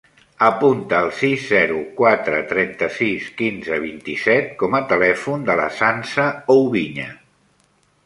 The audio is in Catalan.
Apunta el sis, zero, quatre, trenta-sis, quinze, vint-i-set com a telèfon de la Sança Oubiña.